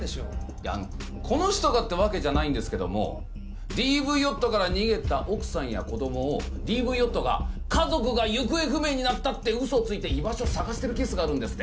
いやこの人がってわけじゃないんですけどもＤＶ夫から逃げた奥さんや子供をＤＶ夫が「家族が行方不明になった」ってウソをついて居場所を捜してるケースがあるんですって。